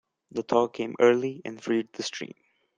The thaw came early and freed the stream.